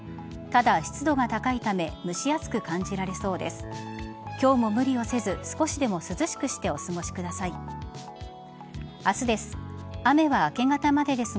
ただ、湿度が高いため蒸し暑く感じられそうです。